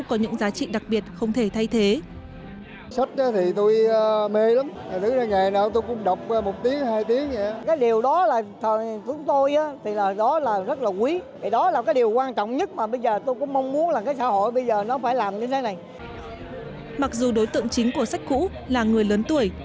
có giá trị đặc biệt không thể thay thế mặc dù đối tượng chính của sách cũ là người lớn tuổi